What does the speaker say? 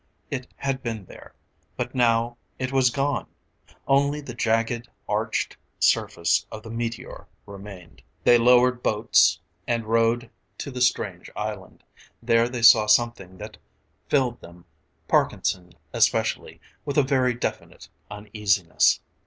It had been there but now it was gone! Only the jagged, arched surface of the meteor remained. They lowered boats and rowed to the strange island. There they saw something that filled them Parkinson especially with a very definite uneasiness.